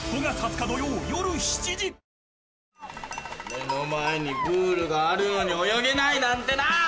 目の前にプールがあるのに泳げないなんてな！